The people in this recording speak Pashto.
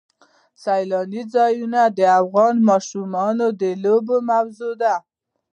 سیلانی ځایونه د افغان ماشومانو د لوبو موضوع ده.